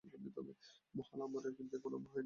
মহল আমারেই, কিন্তু এখনও আমার হয়নাই।